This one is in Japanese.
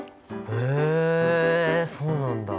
へえそうなんだ。